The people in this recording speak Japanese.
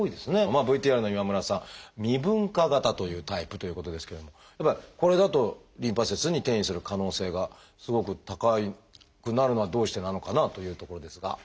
まあＶＴＲの今村さん「未分化型」というタイプということですけれどもこれだとリンパ節に転移する可能性がすごく高くなるのはどうしてなのかなというところですが。